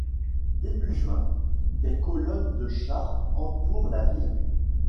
Début juin, des colonnes de chars entourent la ville.